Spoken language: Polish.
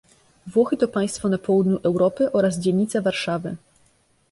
Włochy to państwo na południu Europy oraz dzielnica Warszawy.